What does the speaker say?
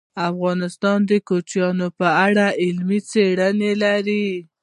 افغانستان د کوچیان په اړه علمي څېړنې لري.